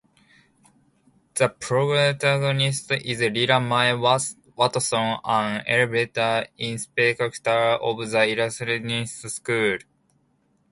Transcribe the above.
The protagonist is Lila Mae Watson, an elevator inspector of the "Intuitionist" school.